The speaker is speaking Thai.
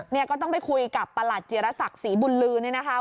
เนี่ยก็ต้องไปคุยกับประหลัดจิรษักศรีบุญลือเนี่ยนะคะ